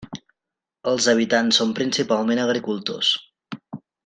Els habitants són principalment agricultors.